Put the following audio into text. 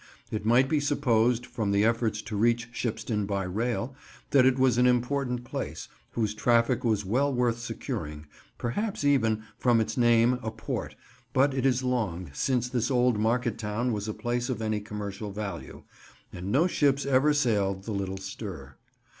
It might be supposed, from the efforts to reach Shipston by rail, that it was an important place, whose traffic was well worth securing—perhaps even, from its name, a port; but it is long since this old market town was a place of any commercial value, and no ships ever sailed the little Stour.